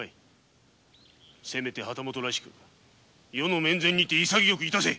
せめて旗本らしく余の面前で潔くいたせ！